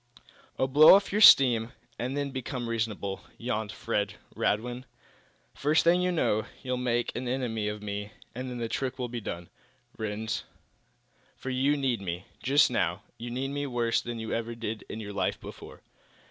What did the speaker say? "Oh, blow off your steam, quietly, and then become reasonable," yawned Fred Radwin. "First thing you know, you'll really make an enemy of me, and then the trick will be done, Rhinds. For you need me. Just now, you need me worse than you ever did in your life before."